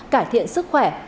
cải thiện sức khỏe